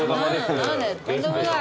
とんでもない。